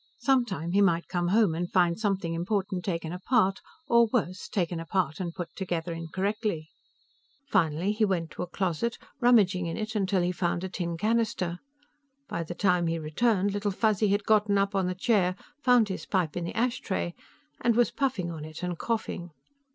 Sometime he might come home and find something important taken apart, or, worse, taken apart and put together incorrectly. Finally, he went to a closet, rummaging in it until he found a tin canister. By the time he returned, Little Fuzzy had gotten up on the chair, found his pipe in the ashtray and was puffing on it and coughing.